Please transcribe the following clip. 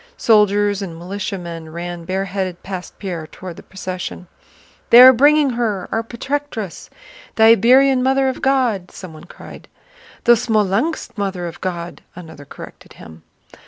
Soldiers and militiamen ran bareheaded past Pierre toward the procession. "They are bringing her, our Protectress!... The Iberian Mother of God!" someone cried. "The Smolénsk Mother of God," another corrected him.